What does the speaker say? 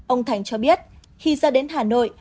ông thành cho biết khi ra đến hà nội